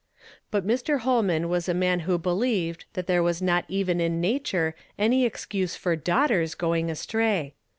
But Mr. Holman was a man who believed that there was not even in nature any ex case for daughtere going astray.